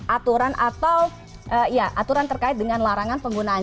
aturan atau aturan terkait dengan larangan penggunaan